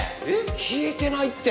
聞いてないって。